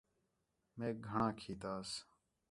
میک گھݨاں کھیتاس